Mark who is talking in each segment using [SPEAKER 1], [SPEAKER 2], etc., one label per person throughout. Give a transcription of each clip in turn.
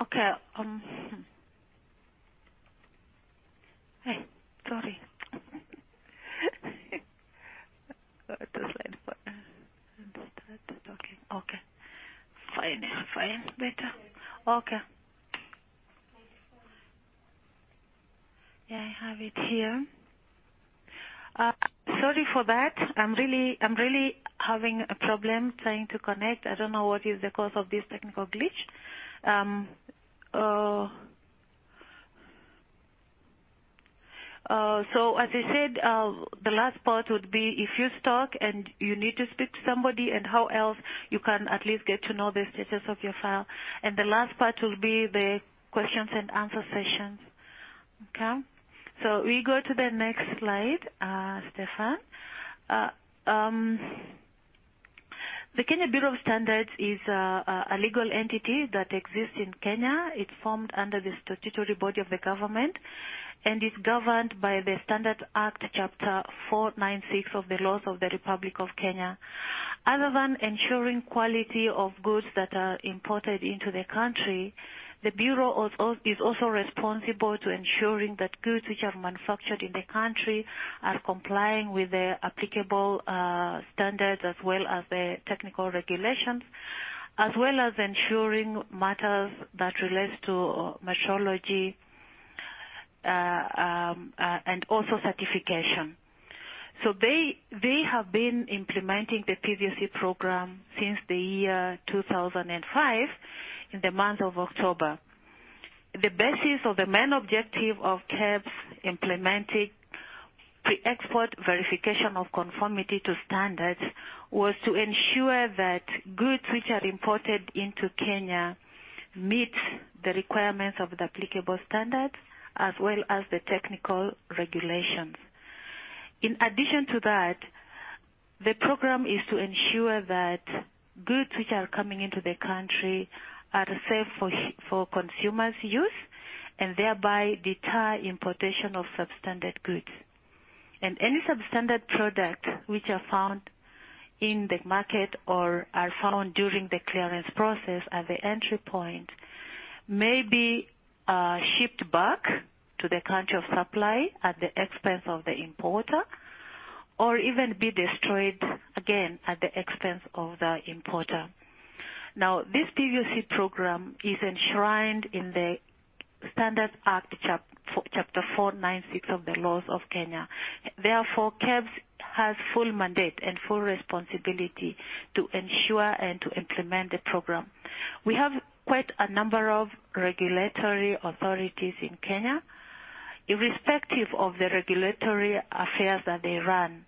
[SPEAKER 1] Okay. Hey, sorry. Okay. Fine. Better. Okay. Yeah, I have it here. Sorry for that. I'm really having a problem trying to connect. I don't know what is the cause of this technical glitch. As I said, the last part would be if you're stuck and you need to speak to somebody and how else you can at least get to know the status of your file. The last part will be the questions and answer sessions. Okay? We go to the next slide, Stefan. The Kenya Bureau of Standards is a legal entity that exists in Kenya. It's formed under the statutory body of the government and is governed by the Standards Act, Chapter 496 of the laws of the Republic of Kenya. Other than ensuring quality of goods that are imported into the country, the Bureau is also responsible to ensuring that goods which are manufactured in the country are complying with the applicable, standards as well as the technical regulations, as well as ensuring matters that relates to metrology, and also certification. They have been implementing the PVoC program since the year 2005 in the month of October. The basis of the main objective of KEBS implementing the export verification of conformity to standards was to ensure that goods which are imported into Kenya meet the requirements of the applicable standards as well as the technical regulations. In addition to that, the program is to ensure that goods which are coming into the country are safe for consumers' use and thereby deter importation of substandard goods. Any substandard product which are found in the market or are found during the clearance process at the entry point may be shipped back to the country of supply at the expense of the importer or even be destroyed again at the expense of the importer. Now, this PVOC program is enshrined in the Standards Act, Chapter 496 of the laws of Kenya. Therefore, KEBS has full mandate and full responsibility to ensure and to implement the program. We have quite a number of regulatory authorities in Kenya. Irrespective of the regulatory affairs that they run,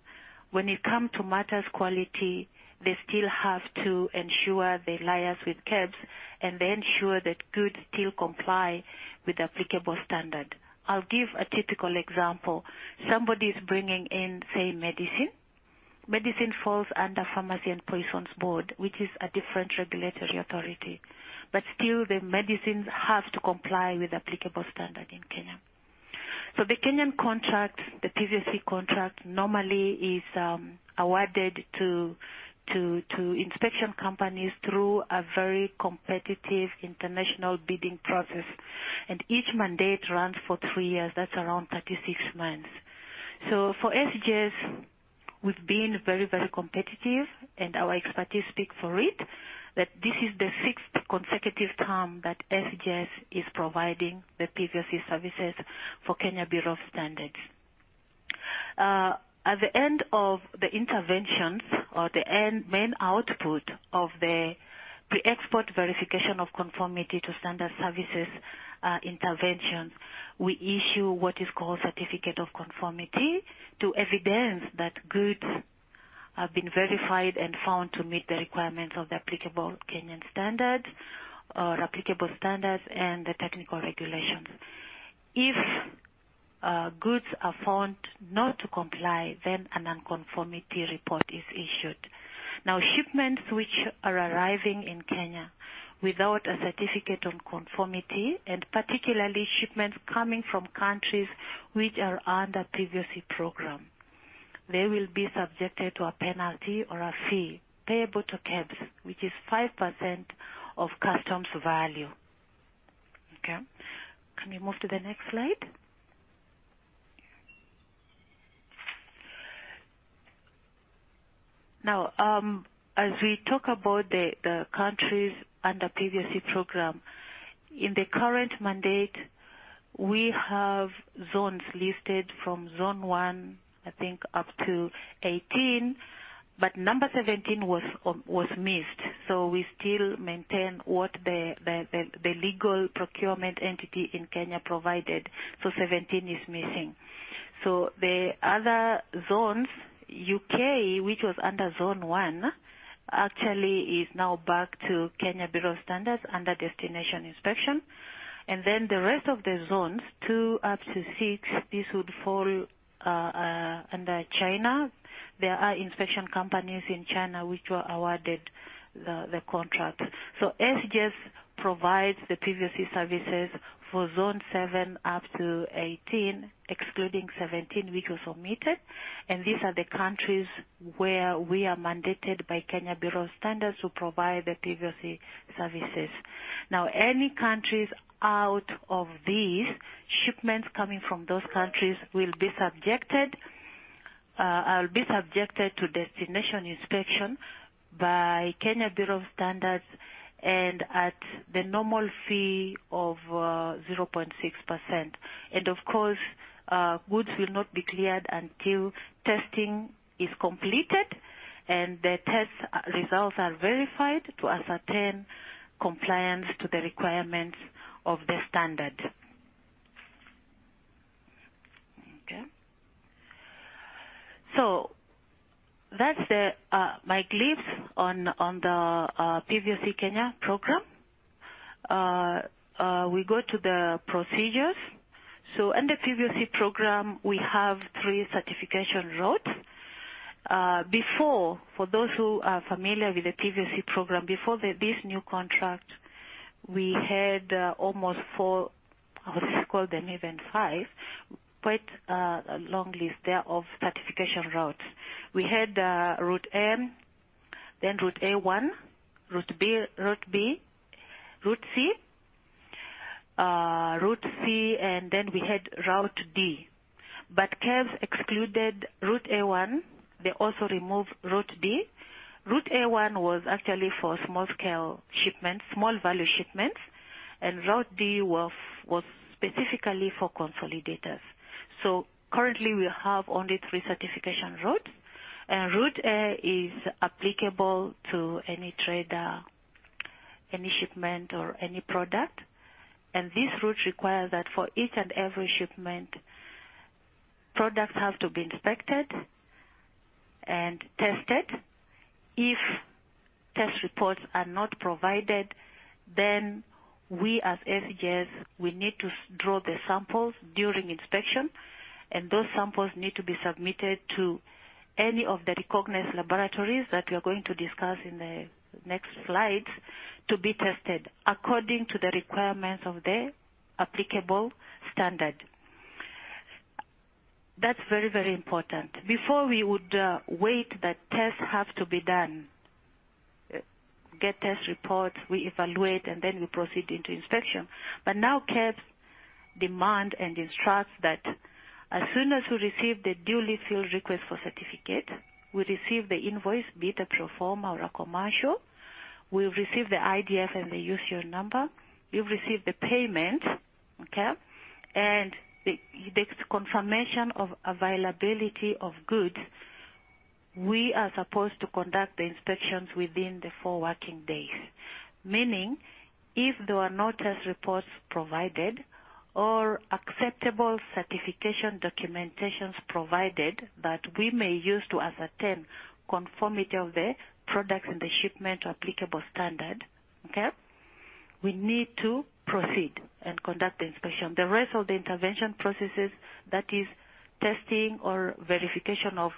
[SPEAKER 1] when it come to matters quality, they still have to ensure they liaise with KEBS and ensure that goods still comply with applicable standard. I'll give a typical example. Somebody is bringing in, say, medicine. Medicine falls under Pharmacy and Poisons Board, which is a different regulatory authority, but still the medicines have to comply with applicable standard in Kenya. The Kenyan contract, the PVOC contract, normally is awarded to inspection companies through a very competitive international bidding process, and each mandate runs for 3 years. That's around 36 months. For SGS, we've been very, very competitive, and our expertise speak for it, that this is the sixth consecutive term that SGS is providing the PVOC services for Kenya Bureau of Standards. At the end of the interventions or the end main output of the pre-export verification of conformity to standard services, we issue what is called certificate of conformity to evidence that goods have been verified and found to meet the requirements of the applicable Kenyan standards or applicable standards and the technical regulations. If goods are found not to comply, then a non-conformity report is issued. Now, shipments which are arriving in Kenya without a Certificate of Conformity, and particularly shipments coming from countries which are under PVoC program, they will be subjected to a penalty or a fee payable to KEBS, which is 5% of customs value. Okay. Can we move to the next slide? Now, as we talk about the countries under PVoC program, in the current mandate, we have zones listed from zone one, I think, up to 18, but number 17 was missed. So we still maintain what the legal procurement entity in Kenya provided. So 17 is missing. So the other zones, UK, which was under zone one, actually is now back to Kenya Bureau of Standards under destination inspection. The rest of the zones 2-6 this would fall under China. There are inspection companies in China which were awarded the contract. SGS provides the PVOC services for zone 7-18, excluding 17, which was omitted. These are the countries where we are mandated by Kenya Bureau of Standards to provide the PVOC services. Now, any shipments coming from countries outside of these will be subjected to destination inspection by Kenya Bureau of Standards and at the normal fee of 0.6%. Of course, goods will not be cleared until testing is completed and the test results are verified to ascertain compliance to the requirements of the standard. Okay. That's my glimpse on the PVOC Kenya program. We go to the procedures. In the PVoC program, we have three certification routes. Before, for those who are familiar with the PVoC program, before this new contract, we had almost four, I would call them even five, quite a long list there of certification routes. We had route N, then route A1, route B, route C, and then we had route D. KEBS excluded route A1. They also removed route D. Route A1 was actually for small scale shipments, small value shipments, and route D was specifically for consolidators. Currently we have only three certification routes. Route A is applicable to any trader, any shipment or any product. This route requires that for each and every shipment, products have to be inspected and tested. If test reports are not provided, then we as SGS, we need to draw the samples during inspection, and those samples need to be submitted to any of the recognized laboratories that we are going to discuss in the next slides to be tested according to the requirements of the applicable standard. That's very, very important. Before we would wait till tests have to be done, get test reports, we evaluate, and then we proceed into inspection. Now KEBS demand and instruct that as soon as we receive the duly filled request for certificate, we receive the invoice, be it a pro forma or a commercial. We've received the IDF and the UCR number. We've received the payment. Okay. The confirmation of availability of goods, we are supposed to conduct the inspections within the 4 working days. Meaning, if there are no test reports provided or acceptable certification documentations provided that we may use to ascertain conformity of the products and the shipment applicable standard. Okay? We need to proceed and conduct the inspection. The rest of the intervention processes, that is testing or verification of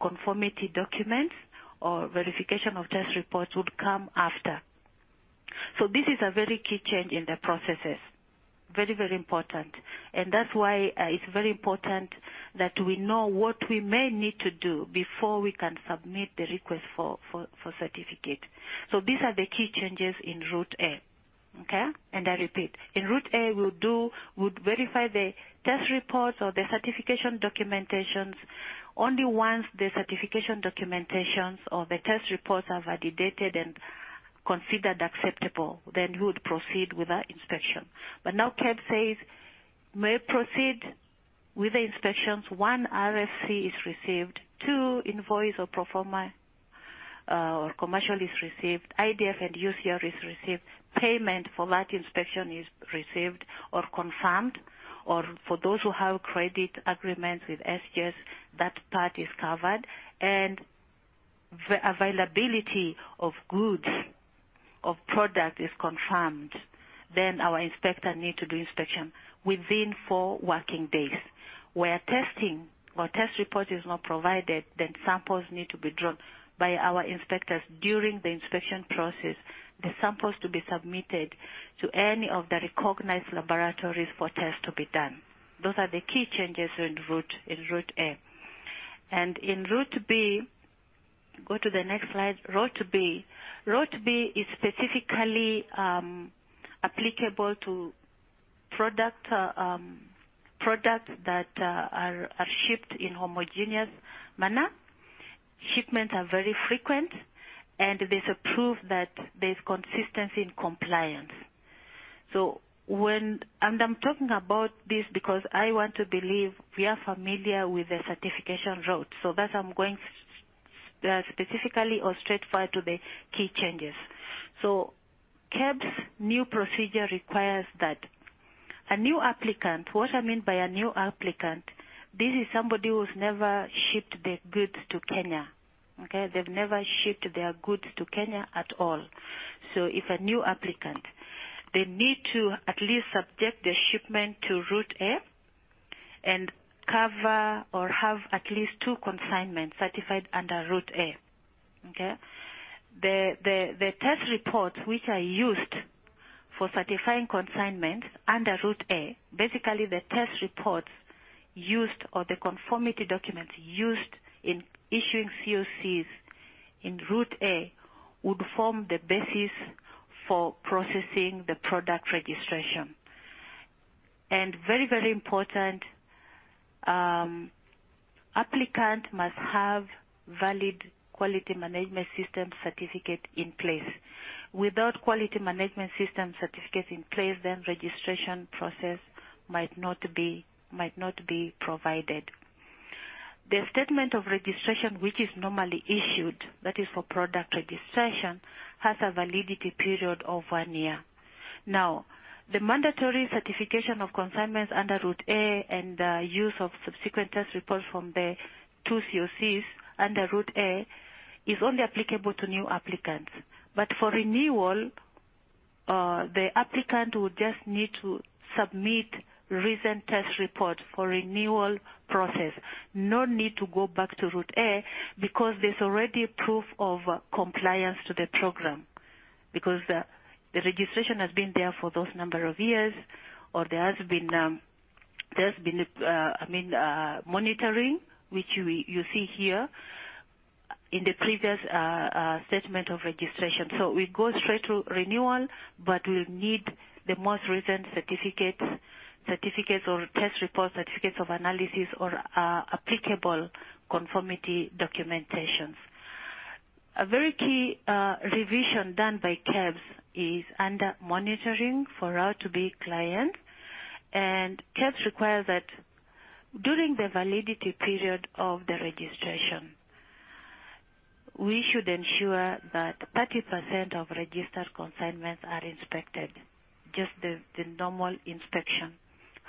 [SPEAKER 1] conformity documents or verification of test reports would come after. So this is a very key change in the processes. Very, very important. That's why it's very important that we know what we may need to do before we can submit the request for certificate. So these are the key changes in Route A. Okay? I repeat, in Route A, we'd verify the test reports or the certification documentations only once the certification documentations or the test reports are validated and considered acceptable, then we would proceed with our inspection. Now KEBS says may proceed with the inspections, 1, RFC is received, 2, invoice or pro forma or commercial is received. IDF and UCR is received. Payment for that inspection is received or confirmed, or for those who have credit agreements with SGS, that part is covered. The availability of goods, of product is confirmed. Then our inspector need to do inspection within 4 working days. Where testing or test report is not provided, then samples need to be drawn by our inspectors during the inspection process. The samples to be submitted to any of the recognized laboratories for tests to be done. Those are the key changes in route A. In route B, go to the next slide. Route B. Route B is specifically applicable to products that are shipped in homogeneous manner. Shipments are very frequent, and there's a proof that there's consistency in compliance. I'm talking about this because I want to believe we are familiar with the certification route, so that's I'm going, specifically or straightforward to the key changes. KEBS new procedure requires that a new applicant, what I mean by a new applicant, this is somebody who's never shipped their goods to Kenya. Okay? They've never shipped their goods to Kenya at all. If a new applicant, they need to at least subject their shipment to route A and cover or have at least two consignments certified under route A. Okay? The test reports which are used for certifying consignments under Route A, basically the test reports used or the conformity documents used in issuing CoCs in Route A, would form the basis for processing the product registration. Very important, applicant must have valid quality management system certificate in place. Without quality management system certificate in place, then registration process might not be provided. The statement of registration, which is normally issued, that is for product registration, has a validity period of one year. Now, the mandatory certification of consignments under Route A and the use of subsequent test reports from the two CoCs under Route A is only applicable to new applicants. For renewal, the applicant will just need to submit recent test report for renewal process. No need to go back to Route A because there's already proof of compliance to the program. The registration has been there for those number of years, or there has been, I mean, monitoring, which you see here in the previous statement of registration. We go straight to renewal, but we'll need the most recent certificate or test report, certificates of analysis or applicable conformity documentations. A very key revision done by KEBS is under monitoring for our to-be client. KEBS requires that during the validity period of the registration, we should ensure that 30% of registered consignments are inspected, just the normal inspection.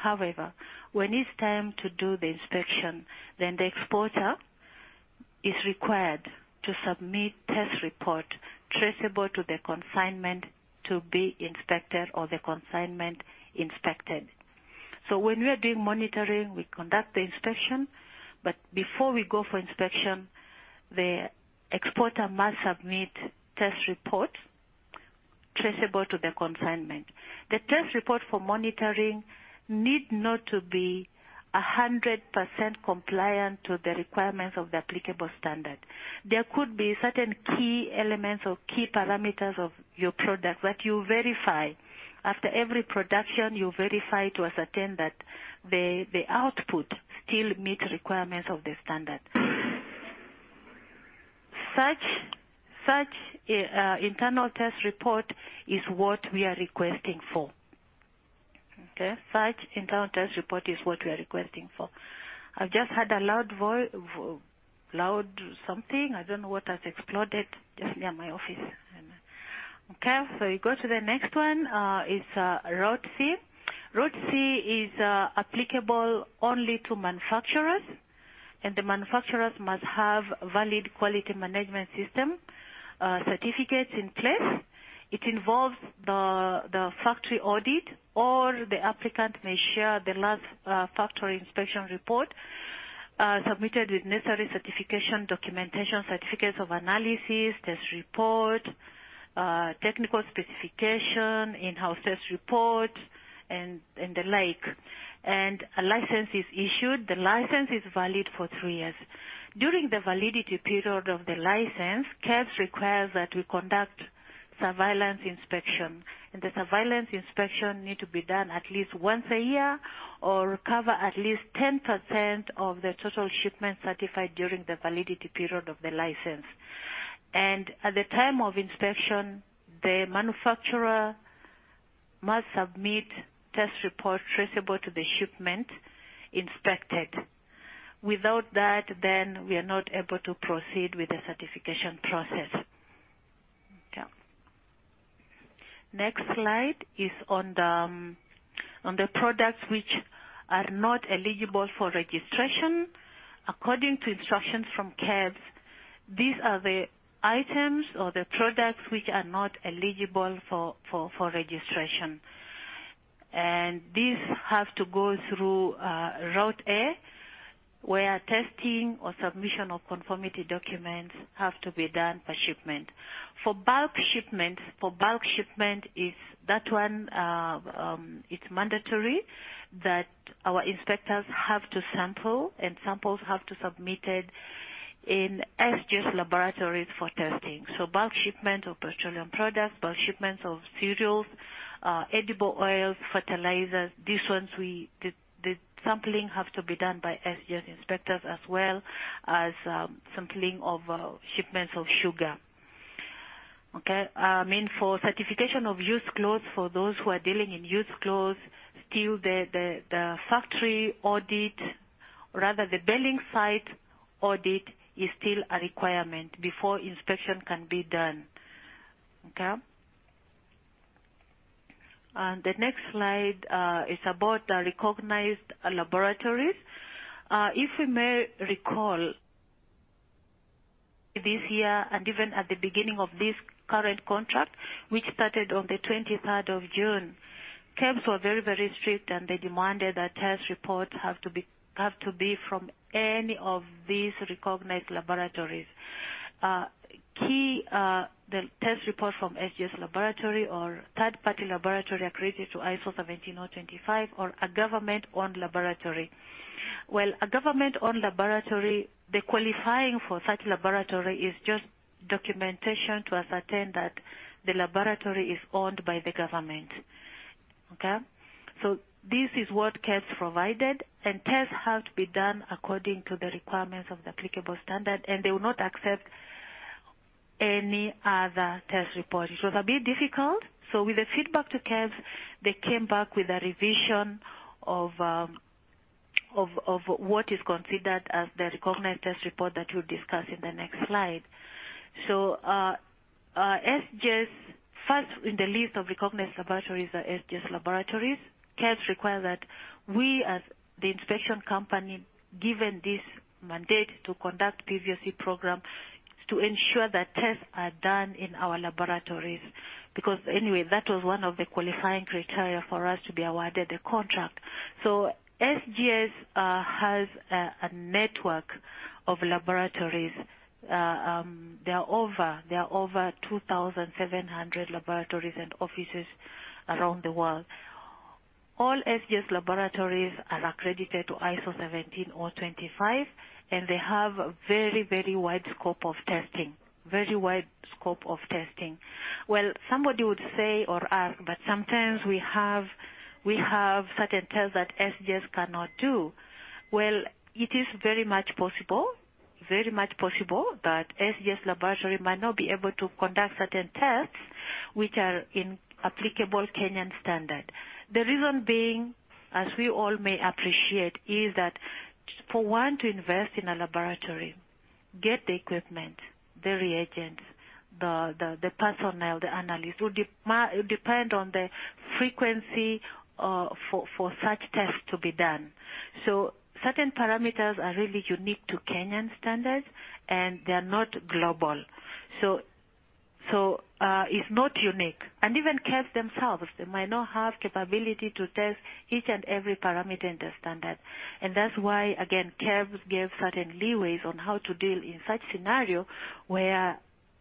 [SPEAKER 1] However, when it's time to do the inspection, then the exporter is required to submit test report traceable to the consignment to be inspected or the consignment inspected. When we are doing monitoring, we conduct the inspection, but before we go for inspection, the exporter must submit test report traceable to the consignment. The test report for monitoring need not to be 100% compliant to the requirements of the applicable standard. There could be certain key elements or key parameters of your product that you verify. After every production, you verify to ascertain that the output still meet requirements of the standard. Such internal test report is what we are requesting for. Okay? Such internal test report is what we are requesting for. I've just heard a loud something. I don't know what has exploded just near my office. Okay. Route C is applicable only to manufacturers, and the manufacturers must have valid quality management system certificates in place. It involves the factory audit or the applicant may share the last factory inspection report submitted with necessary certification, documentation, certificates of analysis, test report, technical specification, in-house test report, and the like. A license is issued. The license is valid for three years. During the validity period of the license, KEBS requires that we conduct surveillance inspection, and the surveillance inspection need to be done at least once a year or cover at least 10% of the total shipment certified during the validity period of the license. At the time of inspection, the manufacturer must submit test report traceable to the shipment inspected. Without that, we are not able to proceed with the certification process. Okay. Next slide is on the products which are not eligible for registration. According to instructions from KEBS, these are the items or the products which are not eligible for registration. These have to go through Route A, where testing or submission of conformity documents have to be done per shipment. For bulk shipments, it's mandatory that our inspectors have to sample, and samples have to submitted in SGS laboratories for testing. Bulk shipment of petroleum products, bulk shipments of cereals, edible oils, fertilizers, these ones the sampling have to be done by SGS inspectors as well as sampling of shipments of sugar. Okay. I mean, for certification of used clothes, for those who are dealing in used clothes, still the factory audit, rather the baling site audit is still a requirement before inspection can be done. Okay. The next slide is about the recognized laboratories. If you may recall, this year and even at the beginning of this current contract, which started on the 23rd of June, KEBS were very, very strict, and they demanded that test reports have to be from any of these recognized laboratories. The test report from SGS laboratory or third-party laboratory accredited to ISO 17025 or a government-owned laboratory. Well, a government-owned laboratory, the qualifying for such laboratory is just documentation to ascertain that the laboratory is owned by the government. Okay? This is what KEBS provided, and tests have to be done according to the requirements of the applicable standard, and they will not accept any other test report. It was a bit difficult. With the feedback to KEBS, they came back with a revision of what is considered as the recognized test report that we'll discuss in the next slide. SGS, first in the list of recognized laboratories are SGS laboratories. KEBS require that we as the inspection company, given this mandate to conduct PVoC program, to ensure that tests are done in our laboratories, because anyway, that was one of the qualifying criteria for us to be awarded the contract. SGS has a network of laboratories. There are over 2,700 laboratories and offices around the world. All SGS laboratories are accredited to ISO/IEC 17025, and they have a very wide scope of testing. Well, somebody would say or ask, but sometimes we have certain tests that SGS cannot do. Well, it is very much possible, but SGS laboratory might not be able to conduct certain tests which are in applicable Kenyan standard. The reason being, as we all may appreciate, is that for one to invest in a laboratory, get the equipment, the reagents, the personnel, the analysts, would depend on the frequency for such tests to be done. Certain parameters are really unique to Kenyan standards, and they are not global. It's not unique. Even KEBS themselves, they might not have capability to test each and every parameter in the standard. That's why, again, KEBS gave certain leeway on how to deal in such scenario where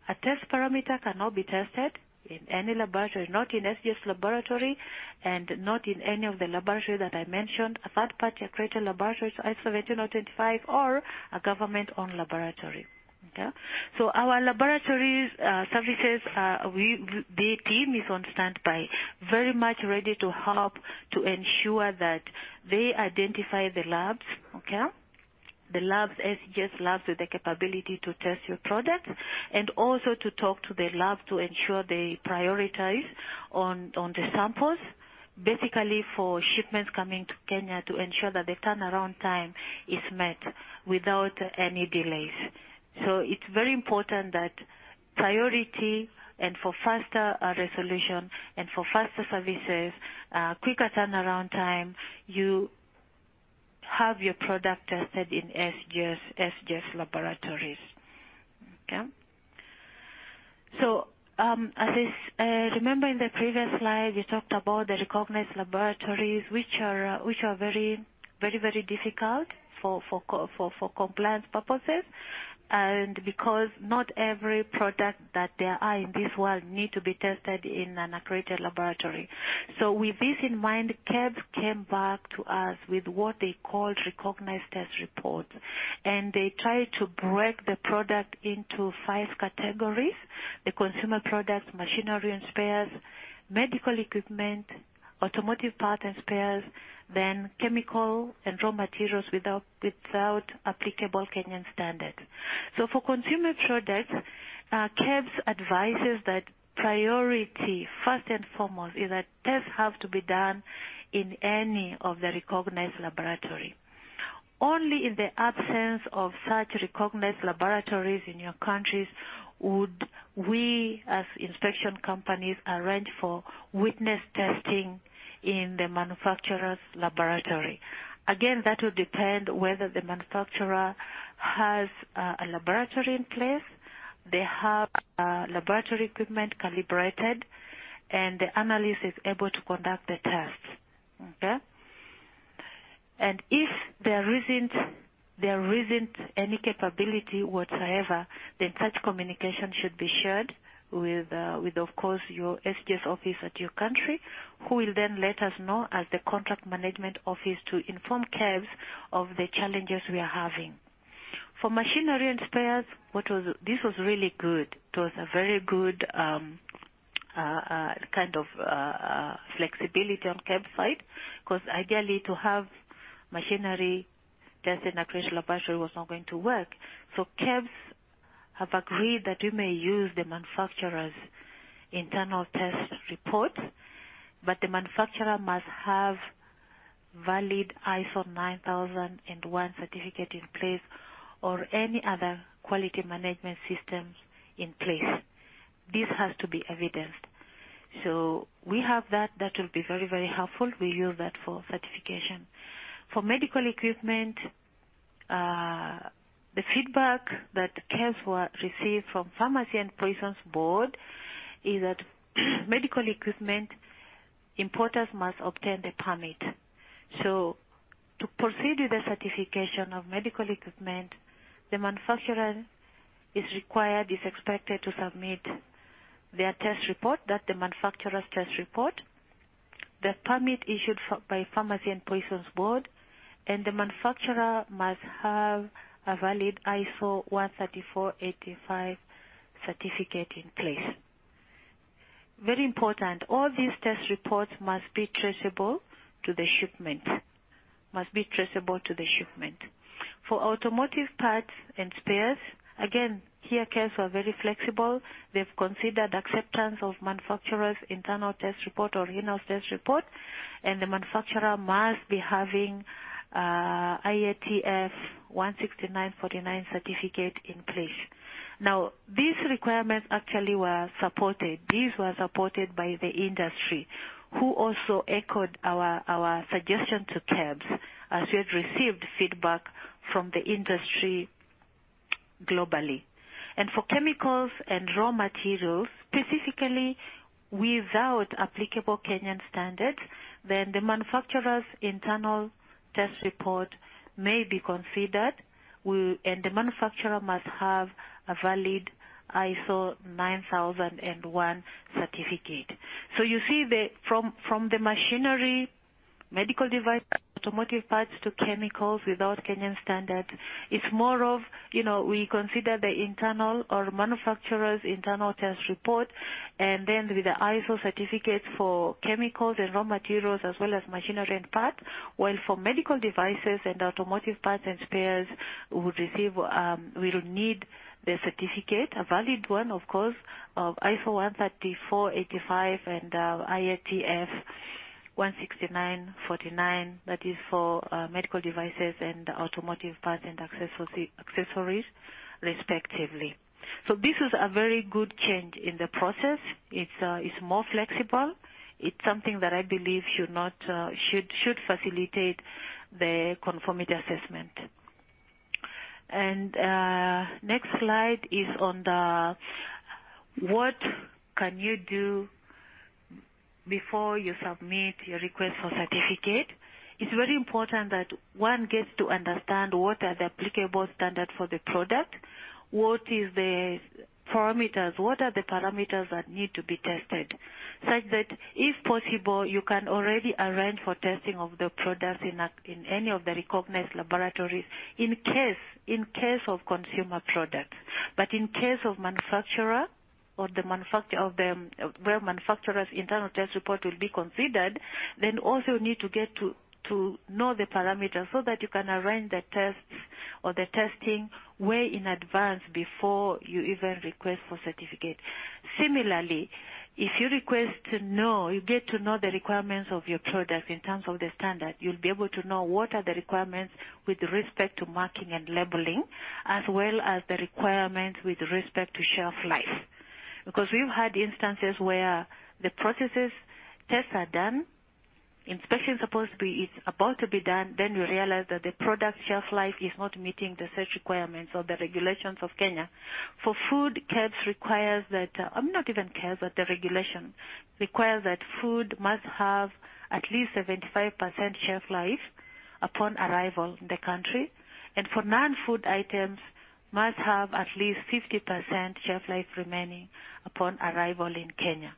[SPEAKER 1] a test parameter cannot be tested in any laboratory, not in SGS laboratory and not in any of the laboratory that I mentioned, a third party accredited laboratory, ISO/IEC 17025 or a government-owned laboratory. Okay? Our laboratories services, the team is on standby, very much ready to help to ensure that they identify the labs, okay? The labs, SGS labs with the capability to test your product and also to talk to the lab to ensure they prioritize on the samples, basically for shipments coming to Kenya to ensure that the turnaround time is met without any delays. It's very important that priority and for faster resolution and for faster services, quicker turnaround time, you have your product tested in SGS laboratories. Okay? As is, remember in the previous slide, we talked about the recognized laboratories which are very difficult for compliance purposes, and because not every product that there are in this world need to be tested in an accredited laboratory. With this in mind, KEBS came back to us with what they called recognized test report, and they tried to break the product into five categories, the consumer products, machinery and spares, medical equipment, automotive part and spares, then chemical and raw materials without applicable Kenyan standards. For consumer products, KEBS advises that priority, first and foremost, is that tests have to be done in any of the recognized laboratory. Only in the absence of such recognized laboratories in your countries would we, as inspection companies, arrange for witness testing in the manufacturer's laboratory.J Again, that will depend whether the manufacturer has a laboratory in place, they have laboratory equipment calibrated, and the analyst is able to conduct the tests. Okay? If there isn't any capability whatsoever, then such communication should be shared with, of course, your SGS office at your country, who will then let us know as the contract management office to inform KEBS of the challenges we are having. For machinery and spares, this was really good. It was a very good kind of flexibility on KEBS' side, 'cause ideally to have machinery tested in an accredited laboratory was not going to work. KEBS have agreed that we may use the manufacturer's internal test report, but the manufacturer must have valid ISO 9001 certificate in place or any other quality management systems in place. This has to be evidenced. We have that. That will be very, very helpful. We use that for certification. For medical equipment, the feedback that KEBS received from Pharmacy and Poisons Board is that medical equipment importers must obtain the permit. To proceed with the certification of medical equipment, the manufacturer is required, is expected to submit their test report, the manufacturer's test report, the permit issued by Pharmacy and Poisons Board, and the manufacturer must have a valid ISO 13485 certificate in place. Very important, all these test reports must be traceable to the shipment. For automotive parts and spares, again, here KEBS are very flexible. They've considered acceptance of manufacturer's internal test report or in-house test report, and the manufacturer must be having IATF 16949 certificate in place. Now, these requirements actually were supported. These were supported by the industry, who also echoed our suggestion to KEBS, as we had received feedback from the industry globally. For chemicals and raw materials, specifically without applicable Kenyan standards, then the manufacturer's internal test report may be considered. The manufacturer must have a valid ISO 9001 certificate. You see from the machinery, medical device, automotive parts to chemicals without Kenyan standards, it's more of, you know, we consider the internal or manufacturer's internal test report and then with the ISO certificates for chemicals and raw materials as well as machinery and parts. For medical devices and automotive parts and spares, we would receive, we would need the certificate, a valid one, of course, of ISO 13485 and IATF 16949. That is for medical devices and automotive parts and accessories, respectively. This is a very good change in the process. It's, it's more flexible. It's something that I believe should facilitate the conformity assessment. Next slide is on what can you do before you submit your request for certificate. It's very important that one gets to understand what are the applicable standards for the product. What are the parameters that need to be tested, such that if possible, you can already arrange for testing of the products in any of the recognized laboratories in case of consumer products. In case of manufacturer or the manufacturer, where manufacturer's internal test report will be considered, then also you need to get to know the parameters so that you can arrange the tests or the testing way in advance before you even request for certificate. Similarly, if you request to know, you get to know the requirements of your product in terms of the standard, you'll be able to know what are the requirements with respect to marking and labeling, as well as the requirements with respect to shelf life. Because we've had instances where the pre-shipment tests are done, inspection is about to be done, then we realize that the product shelf life is not meeting the set requirements or the regulations of Kenya. For food, KEBS requires that, not even KEBS, but the regulation requires that food must have at least 75% shelf life upon arrival in the country, and for non-food items must have at least 50% shelf life remaining upon arrival in Kenya.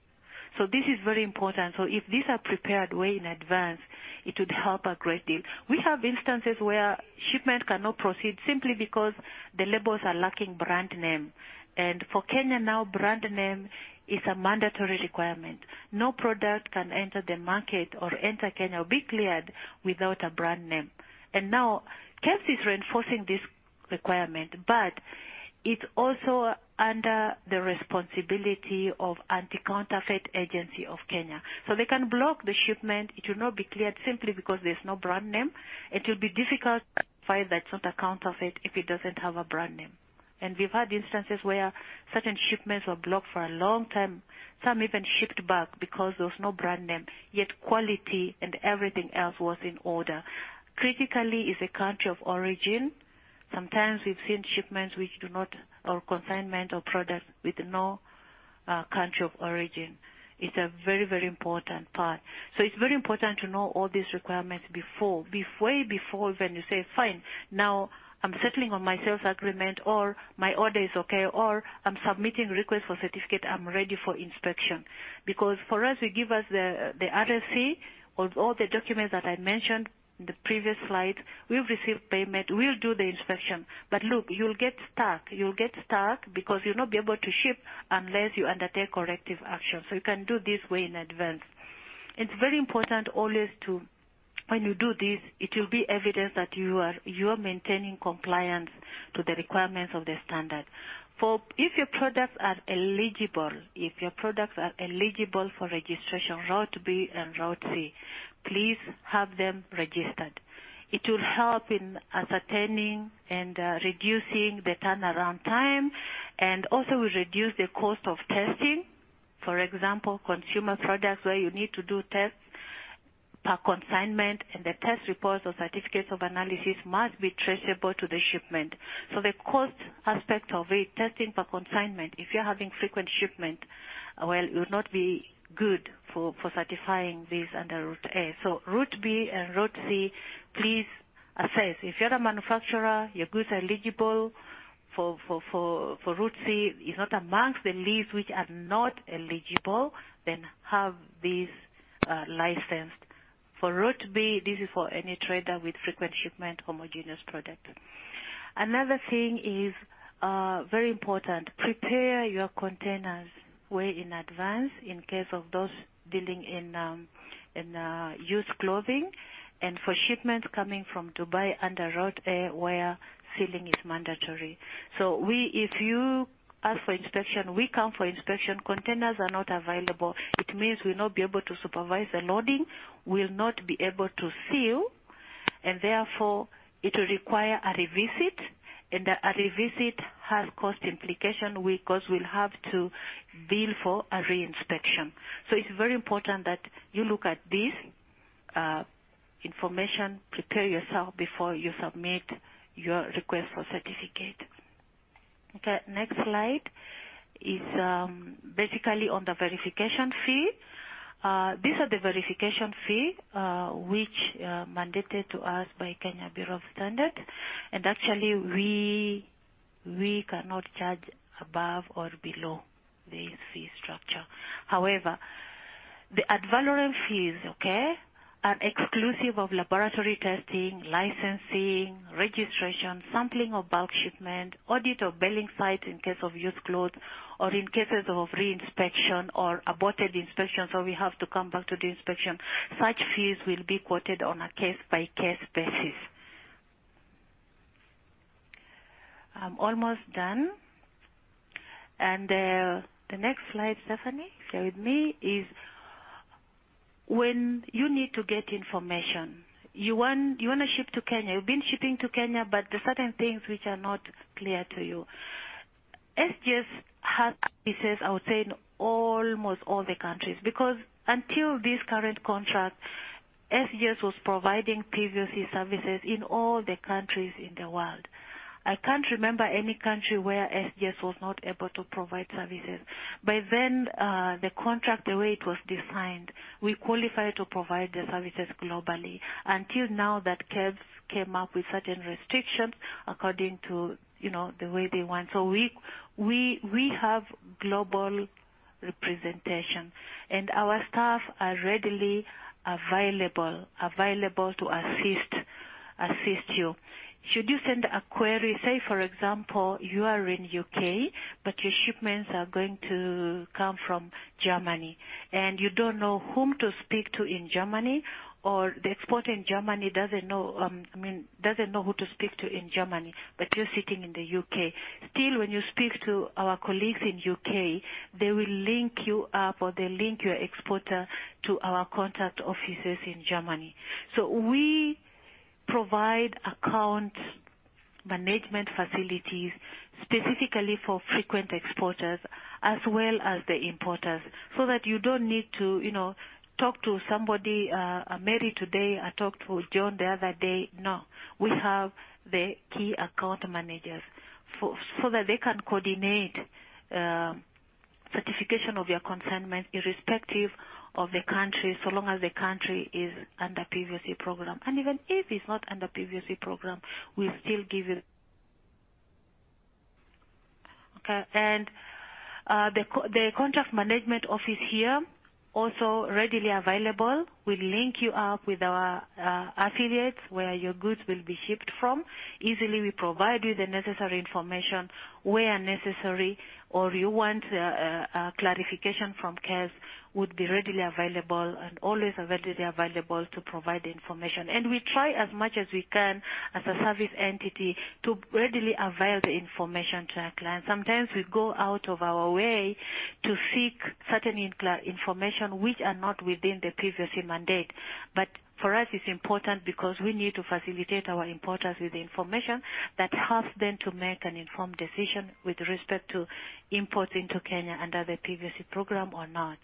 [SPEAKER 1] This is very important. If these are prepared way in advance, it would help a great deal. We have instances where shipment cannot proceed simply because the labels are lacking brand name. For Kenya now, brand name is a mandatory requirement. No product can enter the market or enter Kenya or be cleared without a brand name. Now, KEBS is reinforcing this requirement, but it's also under the responsibility of Anti-Counterfeit Authority of Kenya. They can block the shipment. It will not be cleared simply because there's no brand name. It will be difficult to verify that it's not a counterfeit if it doesn't have a brand name. We've had instances where certain shipments were blocked for a long time, some even shipped back because there was no brand name, yet quality and everything else was in order. Critically, it's the country of origin. Sometimes we've seen shipments which do not, or consignment or products with no country of origin. It's a very, very important part. It's very important to know all these requirements before, way before when you say, "Fine, now I'm settling on my sales agreement," or, "My order is okay," or, "I'm submitting request for certificate, I'm ready for inspection." For us, you give us the RFC or all the documents that I mentioned in the previous slide, we'll receive payment, we'll do the inspection. Look, you'll get stuck. You'll get stuck because you'll not be able to ship unless you undertake corrective action. You can do this way in advance. It's very important always to, when you do this, it will be evidence that you are maintaining compliance to the requirements of the standard. If your products are eligible for registration Route B and Route C, please have them registered. It will help in ascertaining and reducing the turnaround time and also will reduce the cost of testing. For example, consumer products where you need to do tests per consignment, and the test reports or certificates of analysis must be traceable to the shipment. The cost aspect of it, testing per consignment, if you're having frequent shipment, well, it would not be good for certifying this under Route A. Route B and Route C, please, I say, if you're a manufacturer, your goods are eligible for Route C. It's not among the list which are not eligible, then have this license. For Route B, this is for any trader with frequent shipment, homogeneous product. Another thing is very important, prepare your containers way in advance in case of those dealing in used clothing, and for shipments coming from Dubai under Route A, where sealing is mandatory. If you ask for inspection, we come for inspection, containers are not available. It means we'll not be able to supervise the loading, we'll not be able to seal, and therefore it will require a revisit, and a revisit has cost implication. We, of course, will have to bill for a re-inspection. It's very important that you look at this information, prepare yourself before you submit your request for certificate. Okay, next slide is basically on the verification fee. These are the verification fee, which mandated to us by Kenya Bureau of Standards. Actually, we cannot charge above or below the fee structure. However, the ad valorem fees, okay, are exclusive of laboratory testing, licensing, registration, sampling of bulk shipment, audit of baling site in case of used clothes or in cases of re-inspection or aborted inspection. We have to come back to the inspection. Such fees will be quoted on a case-by-case basis. I'm almost done. The next slide, Stephanie, share with me, is when you need to get information. You wanna ship to Kenya. You've been shipping to Kenya, but there are certain things which are not clear to you. SGS has offices, I would say, in almost all the countries, because until this current contract, SGS was providing pre-export services in all the countries in the world. I can't remember any country where SGS was not able to provide services. The contract, the way it was designed, we qualified to provide the services globally until now that KEBS came up with certain restrictions according to, you know, the way they want. We have global representation, and our staff are readily available to assist you. Should you send a query, say, for example, you are in UK, but your shipments are going to come from Germany, and you don't know whom to speak to in Germany, or the exporter in Germany doesn't know who to speak to in Germany, but you're sitting in the UK. Still, when you speak to our colleagues in UK, they will link you up or they'll link your exporter to our contact offices in Germany. We provide account management facilities specifically for frequent exporters as well as the importers, so that you don't need to, you know, talk to somebody, Mary today, I talked to John the other day. No. We have the key account managers, so that they can coordinate certification of your consignment irrespective of the country, so long as the country is under PVoC program. Even if it's not under previous year program, we'll still give you. The contract management office here also readily available. We'll link you up with our affiliates, where your goods will be shipped from. Easily, we provide you the necessary information where necessary, or you want a clarification from KEBS would be readily available and always readily available to provide the information. We try as much as we can as a service entity to readily avail the information to our clients. Sometimes we go out of our way to seek certain information which are not within the previous year mandate. But for us, it's important because we need to facilitate our importers with the information that helps them to make an informed decision with respect to imports into Kenya under the previous year program or not.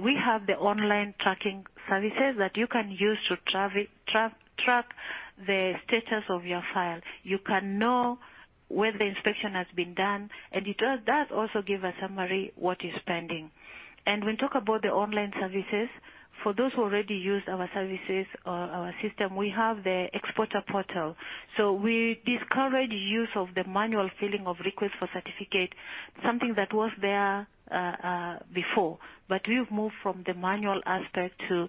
[SPEAKER 1] We have the online tracking services that you can use to track the status of your file. You can know when the inspection has been done, and it does also give a summary what is pending. When we talk about the online services, for those who already use our services or our system, we have the Exporter Portal. We discourage use of the manual filling of request for certification, something that was there before. We've moved from the manual aspect to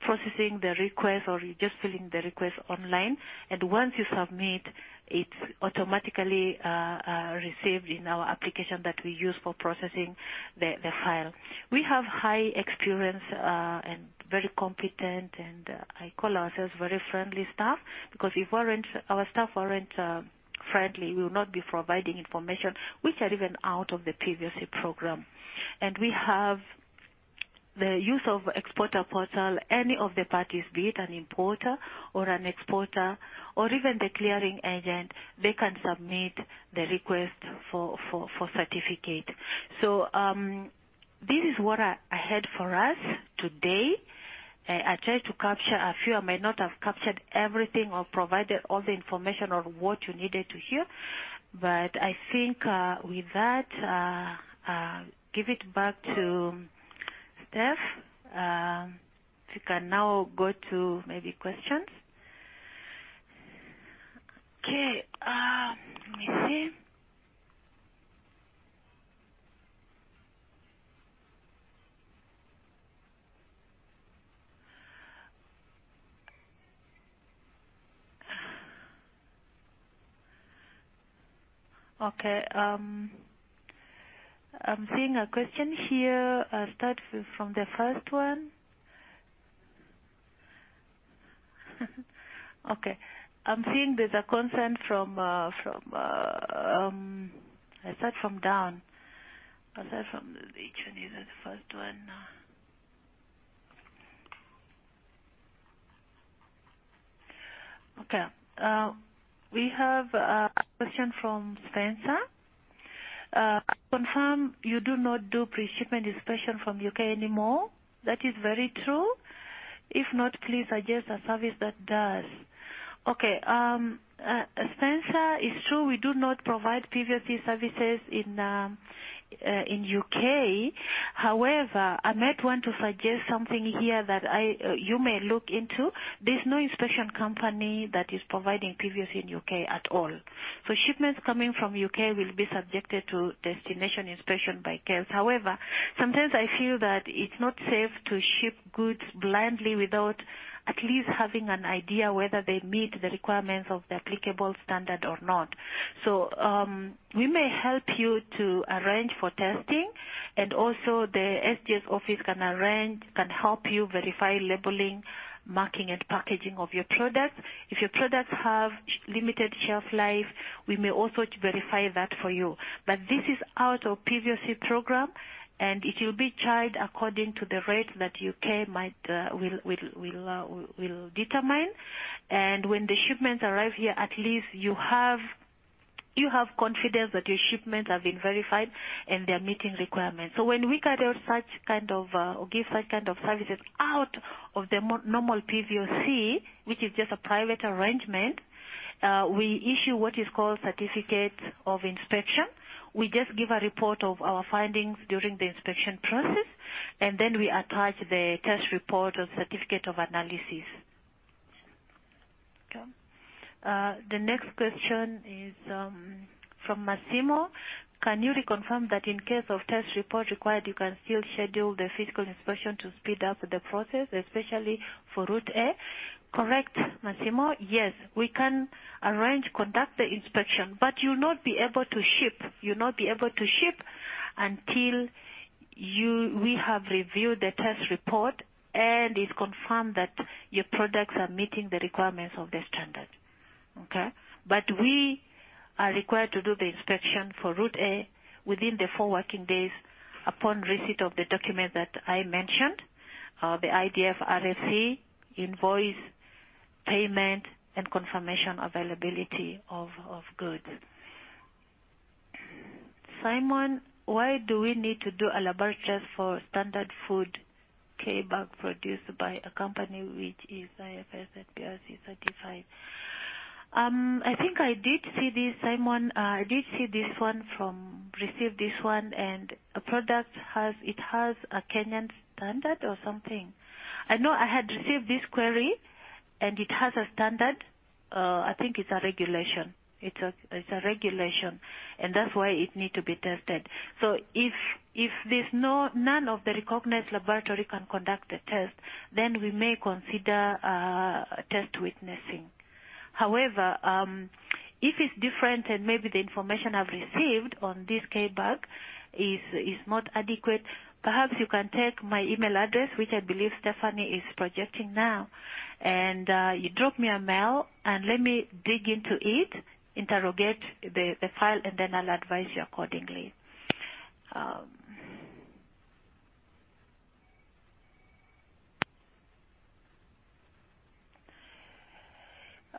[SPEAKER 1] processing the request or just filling the request online. Once you submit, it's automatically received in our application that we use for processing the file. We have high experience and very competent and I call ourselves very friendly staff because our staff weren't friendly, we would not be providing information which are even out of the previous year program. We have the use of Exporter Portal. Any of the parties, be it an importer or an exporter or even the clearing agent, they can submit the request for certificate. This is what I had for us today. I tried to capture a few. I may not have captured everything or provided all the information on what you needed to hear, but I think with that, give it back to Steph, we can now go to maybe questions. Okay. Let me see. Okay. I'm seeing a question here. I'll start from the first one. Okay. I'm seeing there's a concern from Dan. We have a question from Spencer. Confirm you do not do pre-shipment inspection from UK anymore. That is very true. If not, please suggest a service that does. Okay. Spencer, it's true, we do not provide PVOC services in UK. However, I might want to suggest something here that you may look into. There's no inspection company that is providing PVOC in UK at all. Shipments coming from UK will be subjected to destination inspection by KEBS. However, sometimes I feel that it's not safe to ship goods blindly without at least having an idea whether they meet the requirements of the applicable standard or not. We may help you to arrange for testing, and also the SGS office can help you verify labeling, marking, and packaging of your products. If your products have limited shelf life, we may also verify that for you. This is out of PVoC program, and it will be charged according to the rate that SGS will determine. When the shipments arrive here, at least you have confidence that your shipments have been verified and they're meeting requirements. When we give such kind of services out of the normal PVoC, which is just a private arrangement, we issue what is called Certificate of Inspection. We just give a report of our findings during the inspection process, and then we attach the test report or certificate of analysis. Okay. The next question is from Massimo. Can you reconfirm that in case of test report required, you can still schedule the physical inspection to speed up the process, especially for Route A? Correct, Massimo. Yes. We can arrange, conduct the inspection, but you'll not be able to ship. You'll not be able to ship until we have reviewed the test report and it's confirmed that your products are meeting the requirements of the standard. Okay? We are required to do the inspection for Route A within the 4 working days upon receipt of the document that I mentioned, the IDF, RFC, invoice, payment, and confirmation availability of goods. Simon, why do we need to do a laboratory test for standard food K-bag produced by a company which is IFS and BRC certified? I think I did see this, Simon. I received this one, and a product has, it has a Kenyan standard or something. I know I had received this query, and it has a standard. I think it's a regulation. It's a regulation, and that's why it need to be tested. So if there's none of the recognized laboratory can conduct the test, then we may consider test witnessing. However, if it's different and maybe the information I've received on this K-bag is not adequate, perhaps you can take my email address, which I believe Stephanie is projecting now. You drop me a mail, and let me dig into it, interrogate the file, and then I'll advise you accordingly.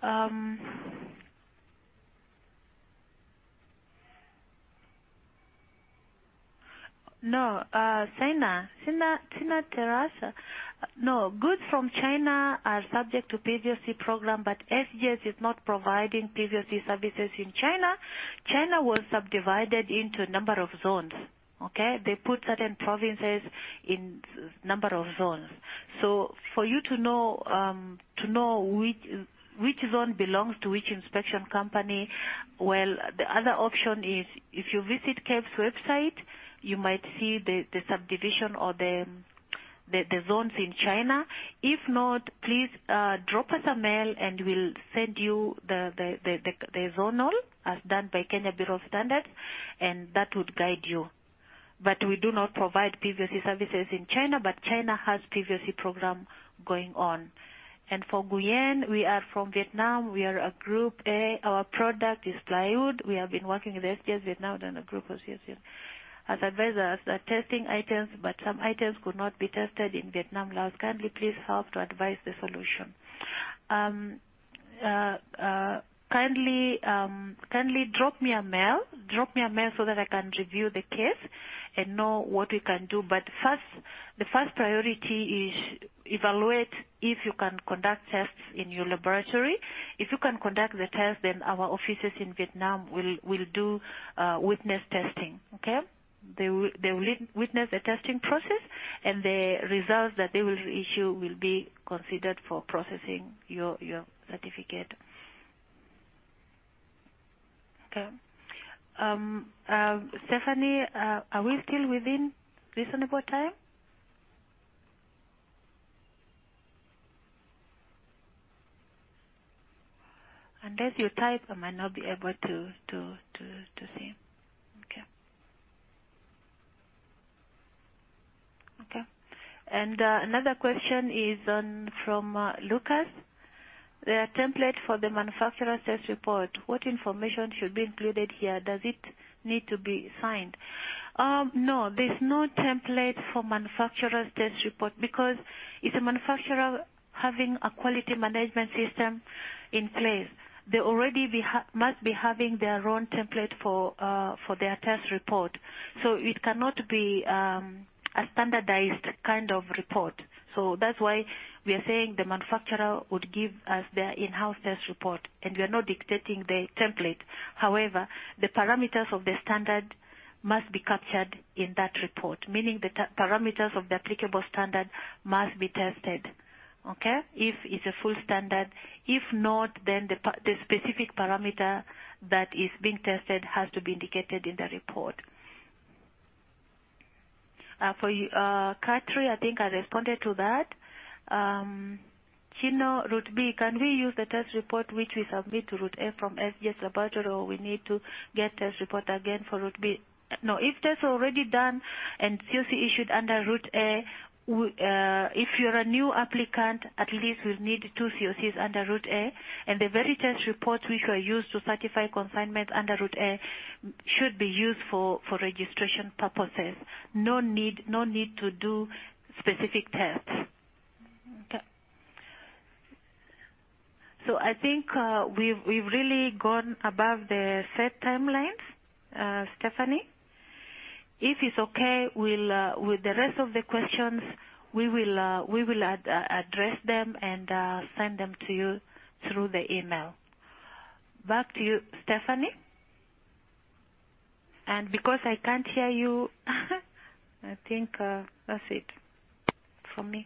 [SPEAKER 1] Sena Terrasa. No, goods from China are subject to PVoC program, but SGS is not providing PVoC services in China. China was subdivided into a number of zones. They put certain provinces in number of zones. For you to know which zone belongs to which inspection company, well, the other option is if you visit KEBS website, you might see the subdivision or the zones in China. If not, please drop us a mail, and we'll send you the zonal, as done by Kenya Bureau of Standards, and that would guide you. But we do not provide PVoC services in China, but China has PVoC program going on. For Nguyen, we are from Vietnam. We are a group A. Our product is plywood. We have been working with SGS Vietnam than a group of SGS as advisors. The testing items, but some items could not be tested in Vietnam labs. Kindly please help to advise the solution. Kindly drop me a mail so that I can review the case and know what we can do. First, the first priority is evaluate if you can conduct tests in your laboratory. If you can conduct the test, then our offices in Vietnam will do witness testing. Okay? They will witness the testing process and the results that they will issue will be considered for processing your certificate. Okay. Stephanie, are we still within reasonable time? Unless you type, I might not be able to see. Okay. Okay. Another question is from Lucas. There are template for the manufacturer test report. What information should be included here? Does it need to be signed? No, there's no template for manufacturer test report because if a manufacturer having a quality management system in place, they must be having their own template for their test report. It cannot be a standardized kind of report. That's why we are saying the manufacturer would give us their in-house test report, and we are not dictating the template. However, the parameters of the standard must be captured in that report, meaning the parameters of the applicable standard must be tested, okay? If it's a full standard. If not, then the specific parameter that is being tested has to be indicated in the report. For you, Katri, I think I responded to that. Chino, Route B, can we use the test report which we submit to Route A from SGS laboratory, or we need to get test report again for Route B? No, if test already done and COC issued under Route A, if you're a new applicant, at least we'll need two COCs under Route A. The very test reports which were used to certify consignment under Route A should be used for registration purposes. No need to do specific tests. Okay. I think we've really gone above the set timelines, Stephanie. If it's okay, we'll with the rest of the questions, we will address them and send them to you through the email. Back to you, Stephanie. Because I can't hear you, I think that's it from my side.